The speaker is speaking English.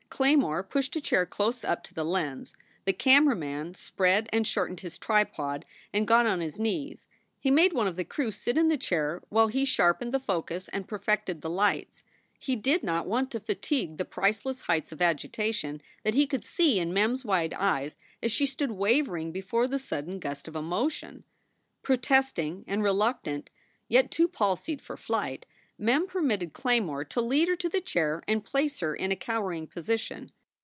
Claymore pushed a chair close up to the lens. The camera man spread and shortened his tripod and got on his knees. He made one of the crew sit in the chair while he sharpened the focus and perfected the lights. He did not want to fatigue the priceless heights of agitation that he could see in Mem s wide eyes as she stood wavering before the sudden gust of emotion. Protesting and reluctant, yet too palsied for flight, Mem permitted Claymore to lead her to the chair and place her in a cowering position.